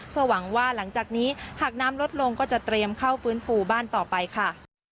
เพื่อหวังว่าหลังจากนี้หากน้ำลดลงก็จะเตรียมเข้าฟื้นฟูบ้านต่อไปค่ะ